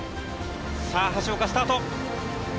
橋岡スタート！